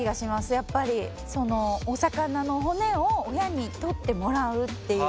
やっぱりそのお魚の骨を親に取ってもらうっていう。